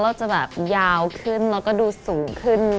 เราจะแบบยาวขึ้นแล้วก็ดูสูงขึ้น